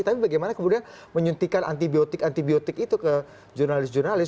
tapi bagaimana kemudian menyuntikkan antibiotik antibiotik itu ke jurnalis jurnalis